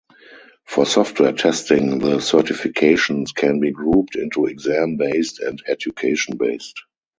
For software testing the certifications can be grouped into exam-based and education-based.